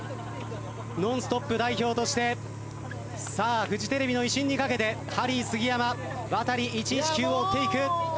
『ノンストップ！』代表としてフジテレビの威信にかけてハリー杉山ワタリ１１９を追っていく。